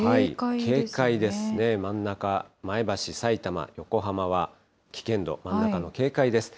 警戒ですね、真ん中、前橋、さいたま、横浜は危険度、真ん中の警戒です。